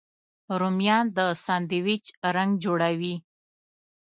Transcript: رومیان د ساندویچ رنګ جوړوي